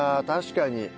確かに。